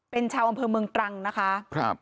เป็นชาวอำเภอเมืองตรังนะคะ